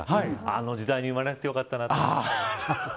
あの時代に生まれなくてよかったなと。